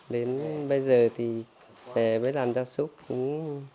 đến bây giờ thì trè với đàn da súc cũng